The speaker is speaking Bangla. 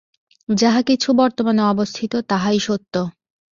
যাহা কিছু বর্তমানে অবস্থিত, তাহাই সত্য।